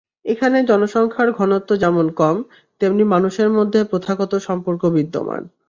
এখানে জনসংখ্যার ঘনত্ব যেমন কম, তেমনি মানুষের মধ্যে প্রথাগত সম্পর্ক বিদ্যমান।